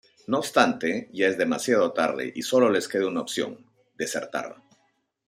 No obstante, ya es demasiado tarde y sólo les queda una opción: desertar.